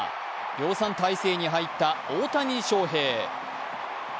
量産体制に入った大谷翔平。